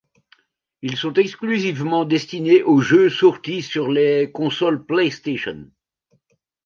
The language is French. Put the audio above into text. Ils sont exclusivement destinés aux jeux sortis sur les consoles PlayStation.